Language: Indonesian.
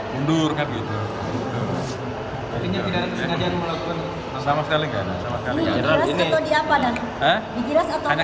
hanya ketabrak aja